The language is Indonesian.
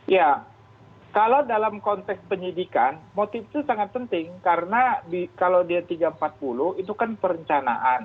ya kalau dalam konteks penyidikan motif itu sangat penting karena kalau dia tiga ratus empat puluh itu kan perencanaan